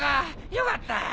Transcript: よかった！